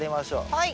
はい。